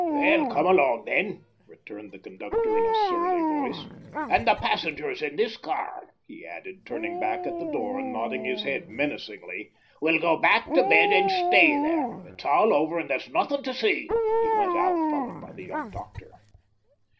"Well, come along then," returned the conductor, in a surly voice, "and the passengers in this car," he added, turning back at the door and nodding his head menacingly, "will go back to bed and STAY there. It's all over and there's nothing to see." He went out, followed by the young doctor.